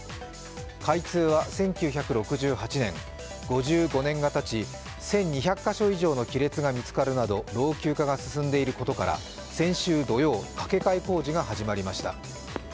開通は１９６８年、５５年がたち、１２００か所以上の亀裂が見つかるなど、老朽化が進んでいることから先週土曜、架け替え工事が始まりました。